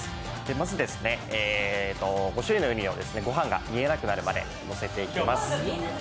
まず５種類のうにをご飯が見えないぐらいのせていきます。